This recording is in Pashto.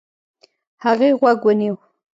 هغې غوږ ونيو.